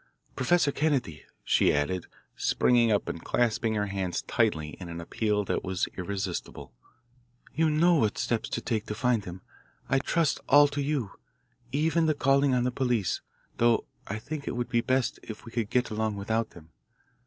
Professor Kennedy," she added, springing up and clasping her hands tightly in an appeal that was irresistible, "you know what steps to take to find him. I trust all to you even the calling on the police, though I think it would be best if we could get along without them.